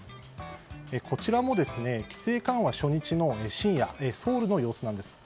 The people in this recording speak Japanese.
こちらも規制緩和初日の深夜ソウルの様子です。